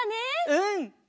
うん！